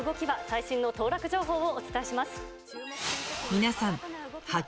最新の当落情報をお伝えします。